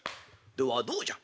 ではどうじゃ？